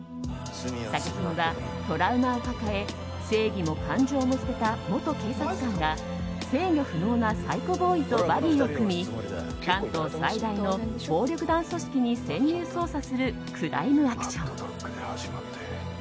作品は、トラウマを抱え正義も感情も捨てた元警察官が制御不能なサイコボーイとバディを組み関東最大の暴力団組織に潜入捜査するクライムアクション。